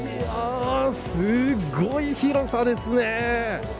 すごい広さですね。